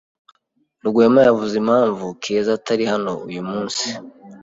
Rwema yavuze impamvu Keza atari hano uyu munsi?